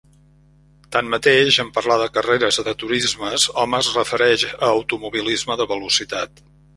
Tanmateix, en parlar de carreres de turismes hom es refereix a automobilisme de velocitat.